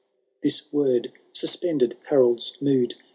" This word suspended Harold's mood.